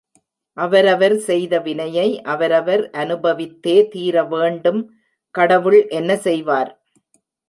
அவரவர் செய்த வினையை அவரவர் அனுபவித்தே தீர வேண்டும் கடவுள் என்ன செய்வார்!